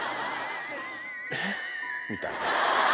えっ？みたいな。